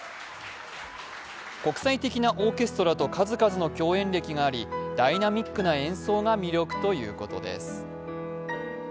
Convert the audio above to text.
国際的なオーケストラと数々の共演歴がありダイナミックな演奏が魅力ということです。